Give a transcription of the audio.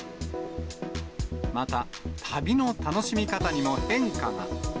また、旅の楽しみ方にも変化が。